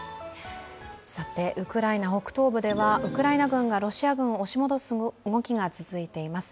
ウクライナ北東部ではウクライナ軍が、ロシア軍を押し戻す動きが続いています。